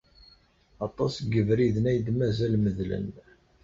Aṭas n yebriden ay d-mazal medlen.